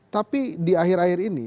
tapi di akhir akhir ini